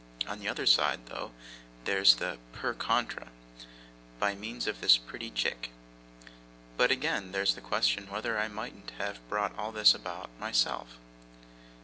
On the other side, though, there's the PER CONTRA, by means of this pretty chick. But, again, there's the question whether I mightn't have brought all this about, myself.